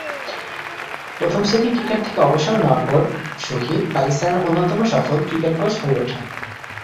প্রথম-শ্রেণীর ক্রিকেট থেকে অবসর নেওয়ার পর, শহিদ পাকিস্তানের অন্যতম সফল ক্রিকেট কোচ হয়ে ওঠেন।